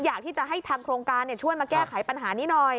อยากที่จะให้ทางโครงการช่วยมาแก้ไขปัญหานี้หน่อย